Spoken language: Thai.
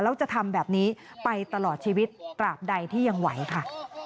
แล้วจะทำแบบนี้ไปตลอดชีวิตตราบใดที่ยังไหวค่ะ